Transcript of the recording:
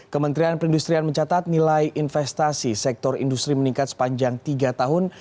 kementerian perindustrian mencatat nilai investasi sektor industri meningkat sepanjang tiga tahun